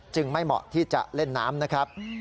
ไม่เหมาะที่จะเล่นน้ำนะครับ